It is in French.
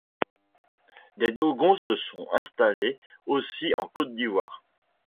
Des Dogons se sont installés aussi en Côte d'Ivoire.